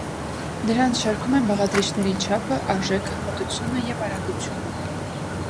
Դրանց շարքում են բաղադրիչների չափը, արժեքը, խտությունը և արագությունը։